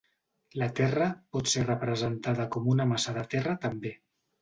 La terra pot ser representada com una massa de terra també.